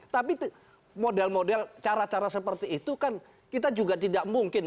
tapi model model cara cara seperti itu kan kita juga tidak mungkin